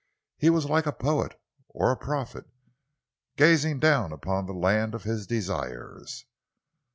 He was like a poet or a prophet, gazing down upon the land of his desires.